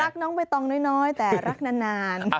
น้องใบตองน้อยแต่รักนาน